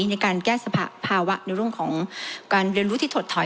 ในการแก้สภาวะในเรื่องของการเรียนรู้ที่ถดถอย